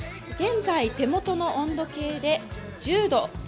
現在、手元の温度計で１０度。